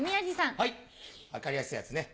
はい分かりやすいやつね。